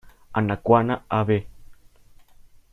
Anacaona, Av.